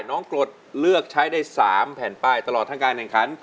กรดเลือกใช้ได้๓แผ่นป้ายตลอดทั้งการแข่งขัน